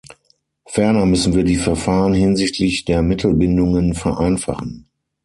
Ferner müssen wir die Verfahren hinsichtlich der Mittelbindungen vereinfachen.